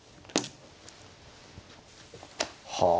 はあ。